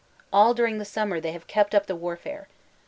All during the sitm mer they have kept up the warfare.